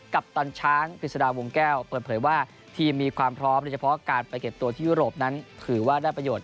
กับตอนช้าพิษาวงแก้วเปลี่ยนว่าทีมมีความพร้อมหรือการไปเก็บตัวที่